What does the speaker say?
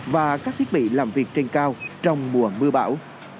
và các thiết bị làm việc trên cao trong mùa mưa bão